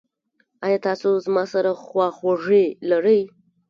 ایا تاسو زما سره خواخوږي لرئ؟